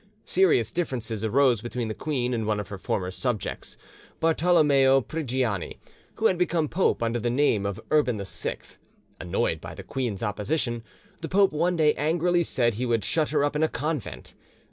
Serious differences arose between the queen and one of her former subjects, Bartolommeo Prigiani, who had become pope under the name of Urban VI. Annoyed by the queen's opposition, the pope one day angrily said he would shut her up in a convent.